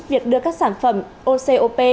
việc đưa các sản phẩm ocop